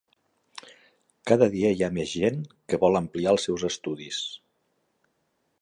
Cada dia hi ha més gent que vol ampliar els seus estudis.